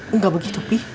enggak begitu pi